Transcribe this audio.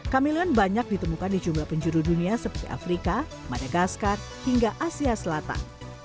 camilan banyak ditemukan di jumlah penjuru dunia seperti afrika madagaskar hingga asia selatan